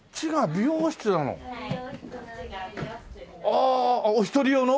ああお一人用の？